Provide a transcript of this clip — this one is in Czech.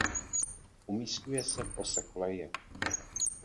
Umísťuje se v ose koleje.